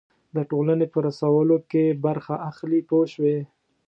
د ټولنې په رسولو کې برخه اخلي پوه شوې!.